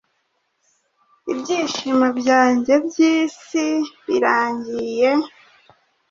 Ibyishimo byanjye byisi birangiye